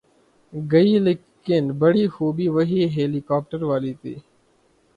گی‘ لیکن بڑی خوبی وہی ہیلی کاپٹر والی تھی۔